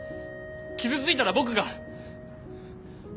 傷ついたら僕が。